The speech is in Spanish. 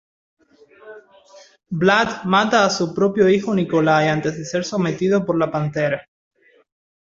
Vlad mata a su propio hijo Nicolae antes de ser sometido por la pantera.